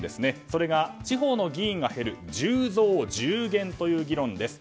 それが地方の議員が減る１０増１０減という議論です。